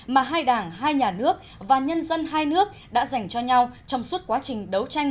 mà hai đảng hai nhà nước và nhân dân hai nước đã dành cho nhau trong suốt quá trình đấu tranh